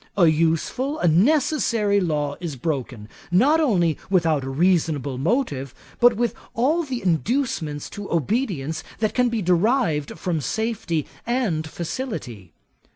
A useful, a necessary law is broken, not only without a reasonable motive, but with all the inducements to obedience that can be derived from safety and facility.